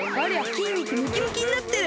きんにくムキムキになってる！